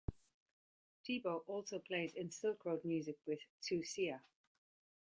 Thibault also plays in Silk Road Music with Qiuxia.